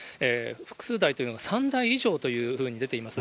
複数台というのが、３台以上というふうに出ています。